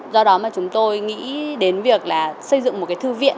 do đó mà chúng tôi nghĩ đến việc là xây dựng một cái thư viện